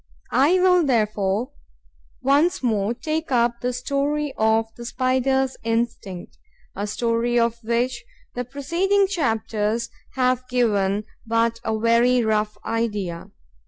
I will therefore once more take up the story of the Spider's instinct, a story of which the preceding chapters have given but a very rough idea.